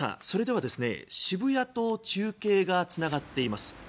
それでは渋谷と中継がつながっています。